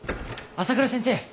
朝倉先生！